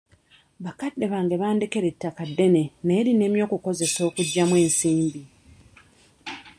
Bakadde bange bandekera ettaka ddene naye linnemye okukozesa okuliggyamu ensimbi.